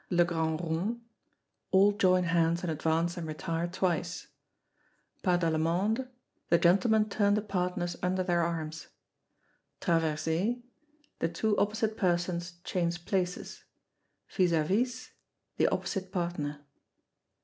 Le Grand Rond. All join hands and advance and retire twice. Pas d'Allemande. The gentlemen turn the partners under their arms. Traversez. The two opposite persons change places. Vis à vis. The opposite partner.